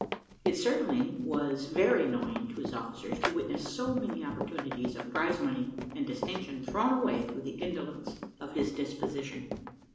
It certainly was very annoying to his officers to witness so many opportunities of prize money and distinction thrown away through the indolence of his disposition.